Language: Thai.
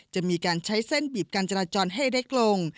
จะมีการใช้เส้นบีบการจราจรให้เล็กลง